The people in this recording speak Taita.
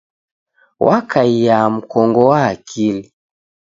Wakaia mkongo wa akili.